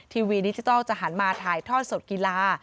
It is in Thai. ทีวีดิจิทัลจะหันมาถ่ายทอดสดกีฬา